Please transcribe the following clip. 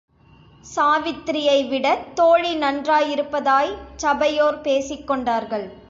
சாவித்திரியைவிடத் தோழி நன்றாயிருப்பதாய்ச் சபையோர் பேசிக்கொண்டார்கள்.